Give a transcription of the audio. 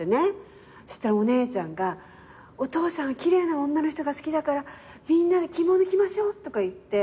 したらお姉ちゃんが「お父さんは奇麗な女の人が好きだからみんなで着物着ましょう」とか言って。